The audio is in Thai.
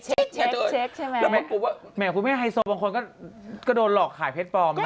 เช็คใช่ไหมคุณแม่ไฮโซบางคนก็โดนหลอกขายเพชรปลอมเถอะ